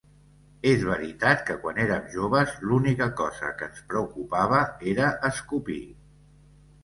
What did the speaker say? És veritat que quan érem joves l’única cosa que ens preocupava era escopir.